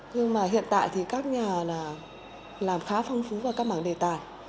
nhưng mà hiện tại thì các nhà làm khá phong phú vào các mảng đề tài